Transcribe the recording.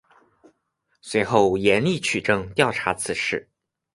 随后严厉取证调查此事。